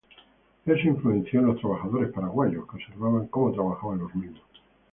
Eso influenció en los trabajadores paraguayos que observaban como trabajaban los mismos.